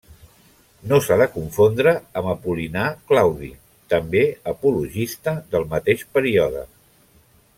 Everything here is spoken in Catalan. No s'ha de confondre amb Apol·linar Claudi, també apologista del mateix període.